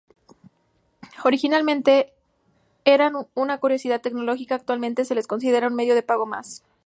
Originalmente eran una curiosidad tecnológica, actualmente se las considera un medio de pago más.